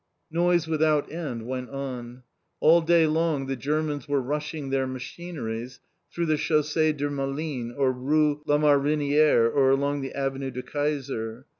Noise without end went on. All day long the Germans were rushing their machineries through the Chaussée de Malines, or Rue Lamarinière, or along the Avenue de Kaiser.